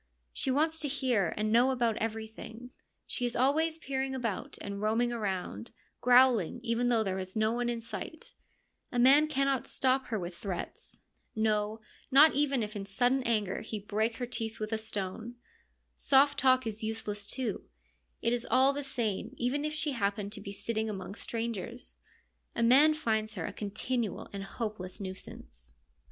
She wants to hear and know about everything ; she is always peering /'about and roaming around, growling even though there is no one in sight. A man cannot stop a II THE LYRIC POETS 35 her with threats ; no, not even if in sudden anger he break her teeth with a stone. Soft talk is useless, too ; it is all the same even if she happen to be sitting among strangers : a man finds her a continual and hope less nuisance.